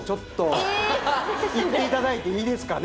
行っていただいていいですかね？